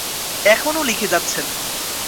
এখনো লিখে যাচ্ছেন।